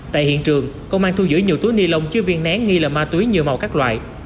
tại hiện trường công an thu giữ nhiều túi ni lông chứa viên nén nghi là ma túy nhiều màu các loại